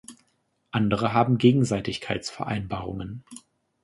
Andere haben Gegenseitigkeitsvereinbarungen.